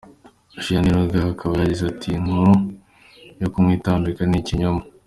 Vianney Luggya akaba yagize ati: “Inkuru yo kumwitambika ni ikinyoma.